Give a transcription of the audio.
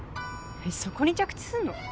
そこに着地すんの？